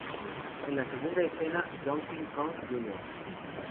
En la segunda escena, Donkey Kong Jr.